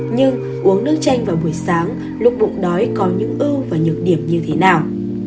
nhưng uống nước chanh vào buổi sáng lúc bụng đói có những ưu và nhược điểm như thế nào